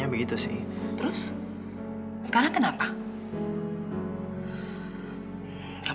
mauere udah punya pacar